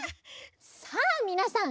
さあみなさん